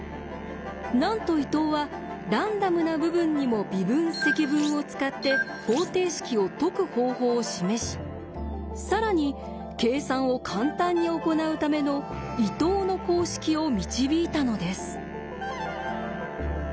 なんと伊藤はランダムな部分にも微分・積分を使って方程式を解く方法を示し更に計算を簡単に行うための「伊藤の公式」を導いたのです。